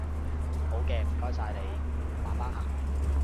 好嘅，唔該晒你，慢慢行